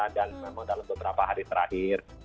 dan memang dalam beberapa hari terakhir